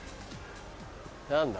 何だ？